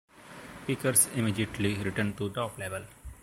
Kickers immediately returned to top level.